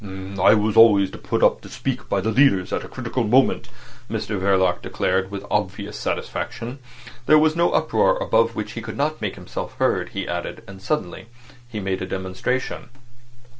"I was always put up to speak by the leaders at a critical moment," Mr Verloc declared, with obvious satisfaction. There was no uproar above which he could not make himself heard, he added; and suddenly he made a demonstration.